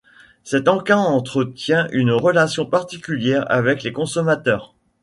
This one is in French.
Cet encas entretient une relation particulière avec les consommateurs.